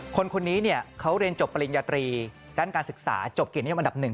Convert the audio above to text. คนคนนี้เนี่ยเขาเรียนจบปริญญาตรีด้านการศึกษาจบกินยอมอันดับหนึ่ง